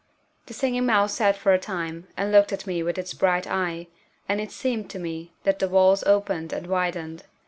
The Singing Mouse sat for a time and looked at me with its bright eye, and it seemed to me that the walls opened and widened.